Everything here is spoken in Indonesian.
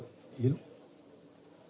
ingin bapak dulu pak